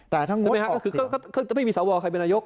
แต่ใช่ไหมครับก็คือจะไม่มีสวใครเป็นนายก